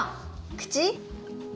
口？